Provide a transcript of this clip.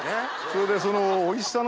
それで。